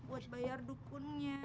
buat bayar dukunnya